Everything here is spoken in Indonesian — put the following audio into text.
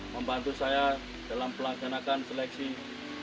membantu saya dalam pelaksanakan seleksi pns teladan dua ribu delapan belas